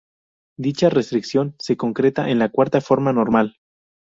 Dicha restricción se concreta en la cuarta forma normal.